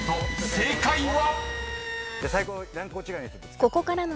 正解は⁉］